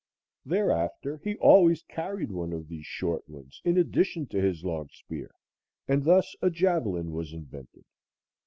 Thereafter, he always carried one of these short ones in addition to his long spear, and thus a javelin was invented.